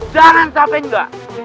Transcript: jangan sampai enggak